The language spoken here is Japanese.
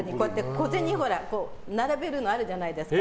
小銭並べるのあるじゃないですか。